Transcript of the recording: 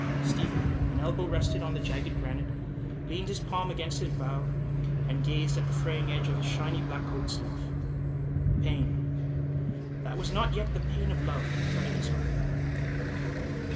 Stephen, an elbow rested on the jagged granite, leaned his palm against his brow and gazed at the fraying edge of his shiny black coat sleeve. Pain, that was not yet the pain of love, fretted his heart.